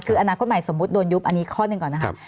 คืออนาคตใหม่สมมุติโดนยุบอันนี้ข้อหนึ่งก่อนนะครับ